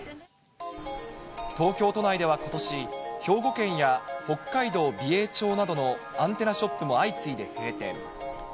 東京都内ではことし、兵庫県や北海道美瑛町などのアンテナショップも相次いで閉店。